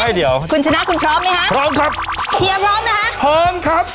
เดี๋ยวคุณชนะคุณพร้อมไหมฮะพร้อมครับเฮียพร้อมนะคะพร้อมครับ